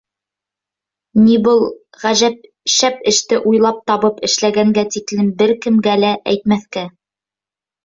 — Ни, был ғәжәп шәп эште уйлап табып эшләгәнгә тиклем бер кемгә лә әйтмәҫкә.